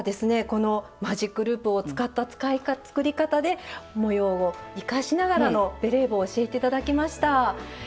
このマジックループを使った作り方で模様を生かしながらのベレー帽を教えて頂きました。